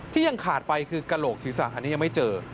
ยังขาดไปคือกระโหลกศีรษะอันนี้ยังไม่เจอ